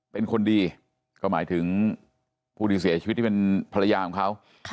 เป็นคนดีก็หมายถึงผู้ที่เสียชีวิตที่เป็นภรรยาของเขา